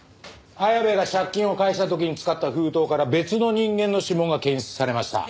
綾部が借金を返した時に使った封筒から別の人間の指紋が検出されました。